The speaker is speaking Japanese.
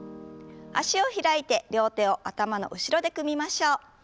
脚を開いて両手を頭の後ろで組みましょう。